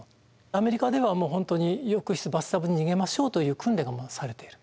アメリカではもう本当に浴室バスタブに逃げましょうという訓練がもうされている。